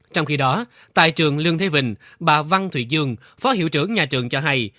trong khi đó tại trường lương thế vịnh bà văn thụy dương phó hiệu trưởng nhà trường cho hay